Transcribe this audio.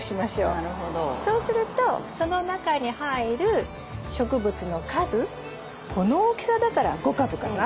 そうするとその中に入る植物の数この大きさだから５株かな？